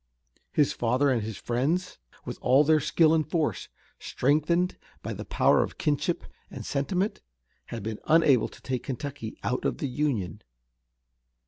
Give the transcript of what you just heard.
His father and his friends, with all their skill and force, strengthened by the power of kinship and sentiment, had been unable to take Kentucky out of the Union.